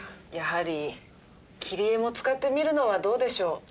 やはり切り絵も使ってみるのはどうでしょう？